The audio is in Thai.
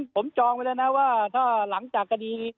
ผมจองไว้แล้วนะว่าถ้าหลังจากคดีนี้